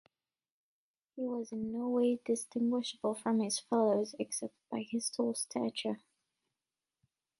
He was in no way distinguishable from his fellows except by his tall stature.